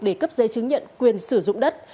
để cấp giấy chứng nhận quyền sử dụng đất